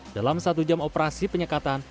dalam satu jam operasi penyekatan